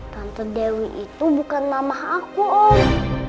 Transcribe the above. tante dewi itu bukan nama aku om